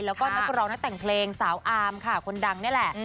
แล้วก็นักร้องนักแต่งเพลงสาวอาร์มค่ะคนดังนี่แหละ